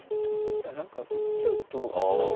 いや何か打っちゃうと危ない。